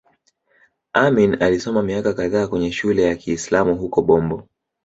Amin alisoma miaka kadhaa kwenye shule ya Kiislamu huko Bombo